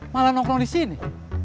malah nongkrong di sini